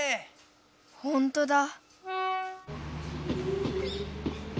ほんとだ。